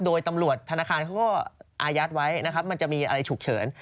โดยตำรวจธนาคารเขาก็อายัดไว้นะครับมันจะมีอะไรฉุกเฉิน